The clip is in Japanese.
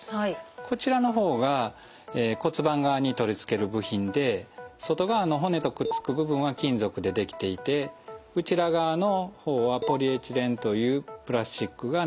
こちらの方が骨盤側に取り付ける部品で外側の骨とくっつく部分は金属で出来ていてこちら側の方はポリエチレンというプラスチックが軟骨の代わりになります。